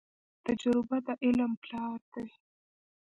تجربه د علم پلار دی.